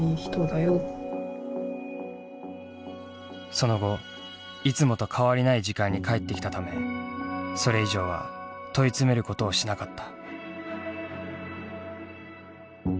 その後いつもと変わりない時間に帰ってきたためそれ以上は問い詰めることをしなかった。